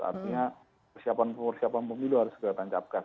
artinya persiapan pemiliu harus segera tancap gas